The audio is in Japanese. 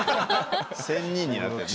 仙人になってるね。